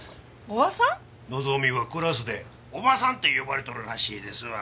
望はクラスでおばさんって呼ばれとるらしいですわ。